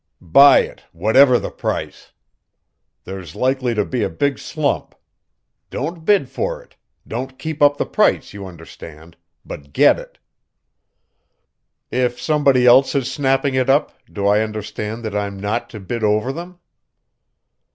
Buy it, whatever the price. There's likely to be a big slump. Don't bid for it don't keep up the price, you understand but get it." "If somebody else is snapping it up, do I understand that I'm not to bid over them?"